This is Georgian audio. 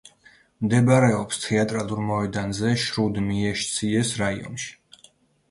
მდებარეობს თეატრალურ მოედანზე, შრუდმიეშციეს რაიონში.